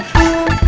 gak harus cemburu